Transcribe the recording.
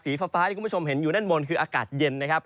ฟ้าที่คุณผู้ชมเห็นอยู่ด้านบนคืออากาศเย็นนะครับ